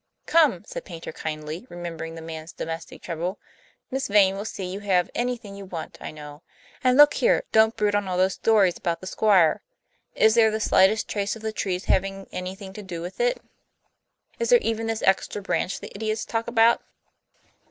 "Come!" said Paynter kindly, remembering the man's domestic trouble. "Miss Vane will see you have anything you want, I know. And look here, don't brood on all those stories about the Squire. Is there the slightest trace of the trees having anything to do with it? Is there even this extra branch the idiots talked about?"